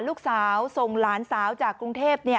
ลูกสาวส่งหลานสาวจากกรุงเทพ